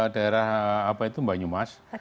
daerah apa itu mbak nyumas